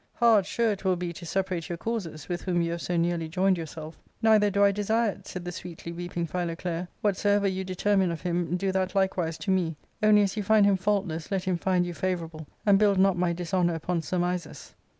Hard, sure, it will be to separate your causes, with whom you have so nearly joined yourself." " Neither do I desire it," said the sweetly weeping Philoclea :" whatsoever you determine of him, do that likewise to me ; only as you find him faultless let him find you favourable, and build not my dishonour upon sur mises."